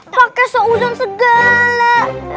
pakai seuzon segala